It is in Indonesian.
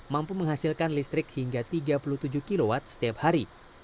mampu menghasilkan listrik hingga tiga puluh tujuh kw setiap hari